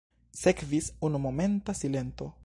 Sekvis unumomenta silento.